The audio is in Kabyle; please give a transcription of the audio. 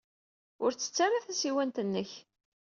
Ur ttettu ara tasiwant-nnek.